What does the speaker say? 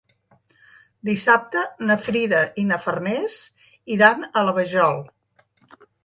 Dissabte na Frida i na Farners iran a la Vajol.